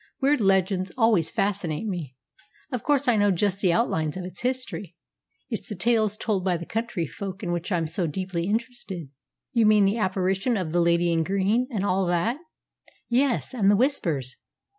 "Weird legends always fascinate me. Of course I know just the outlines of its history. It's the tales told by the country folk in which I'm so deeply interested." "You mean the apparition of the Lady in Green, and all that?" "Yes; and the Whispers."